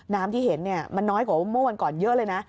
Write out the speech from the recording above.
ที่เห็นมันน้อยกว่าเมื่อวันก่อนเยอะเลยนะ